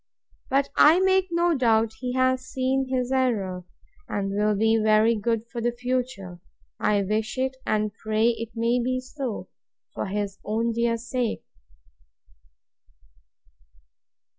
—But I make no doubt he has seen his error, and will be very good for the future. I wish it, and pray it may be so, for his own dear sake!